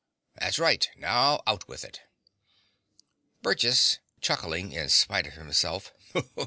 That's right. Now, out with it. BURGESS (chuckling in spite of himself.)